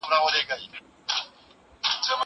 زه بايد زدکړه وکړم!!